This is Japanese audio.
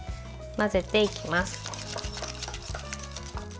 混ぜていきます。